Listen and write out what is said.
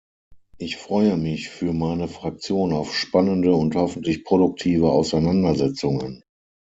Ich freue mich für meine Fraktion auf spannende und hoffentlich produktive Auseinandersetzungen.